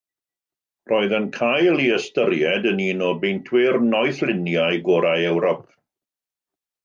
Roedd yn cael ei ystyried yn un o beintwyr noethluniau gorau Ewrop.